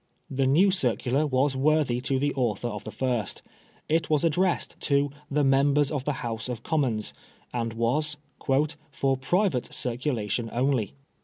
The new circular was worthy of the author of the first. It was addressed " To the Members of the House of Commons," and was " for private circulation only."